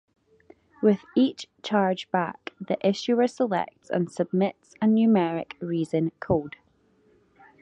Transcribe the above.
With each chargeback the issuer selects and submits a numeric reason code.